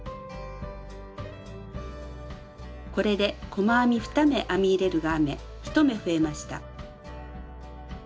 これで細編み２目編み入れるが編め１目増えました。